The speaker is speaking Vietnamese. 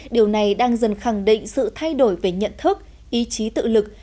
điều này đang dần khẳng định sự thay đổi về nhận thức ý chí tự lực